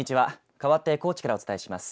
かわって高知からお伝えします。